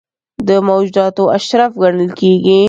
د موجوداتو اشرف ګڼل کېږي.